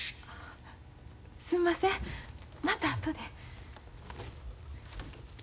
すんませんまた後で。